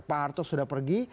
pak harto sudah pergi